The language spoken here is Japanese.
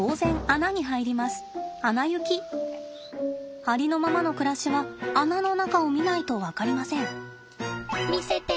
ありのままの暮らしは穴の中を見ないと分かりません。